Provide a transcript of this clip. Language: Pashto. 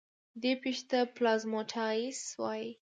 دې پېښې ته پلازموپټایسس وایي.